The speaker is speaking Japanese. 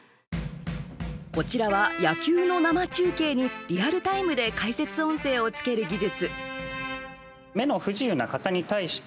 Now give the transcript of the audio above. こちらは、野球の生中継にリアルタイムで解説音声をつける技術。